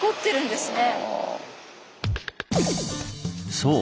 そう！